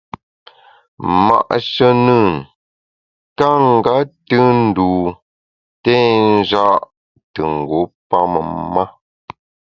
Ma’she nùn ka nga tùn ndû té nja’ te ngu pamem ma.